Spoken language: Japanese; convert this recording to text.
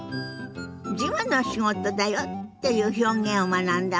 「事務の仕事だよ」っていう表現を学んだわね。